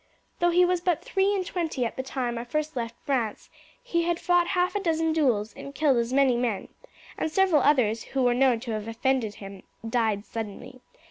Though he was but three and twenty at the time I first left France he had fought half a dozen duels and killed as many men, and several others who were known to have offended him died suddenly.